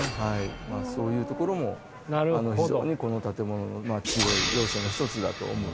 そういうところも非常にこの建物の強い要素の一つだと思います。